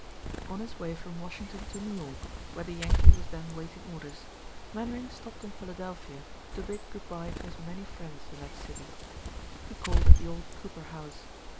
On his way from Washington to New York, where the Yankee was then waiting orders, Mainwaring stopped in Philadelphia to bid good by to his many friends in that city. He called at the old Cooper house.